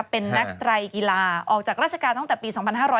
เป็นนักไตรกีฬาออกจากราชการตั้งแต่ปี๒๕๕๙